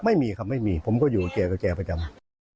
ไม่มีครับไม่มีผมก็อยู่กับแกกับแกประจำ